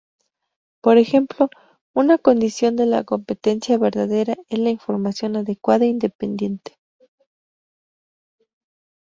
Por ejemplo, una condición de la competencia verdadera es la información adecuada e independiente.